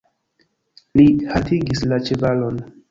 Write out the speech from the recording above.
Li haltigis la ĉevalon.